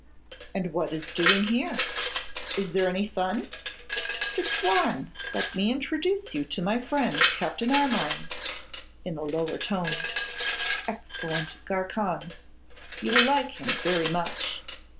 And what is doing here? Is there any fun? Fitzwarrene, let me introduce you to my friend Captain Armine:' (in a lower tone) 'excellent garçon! You will like him very much.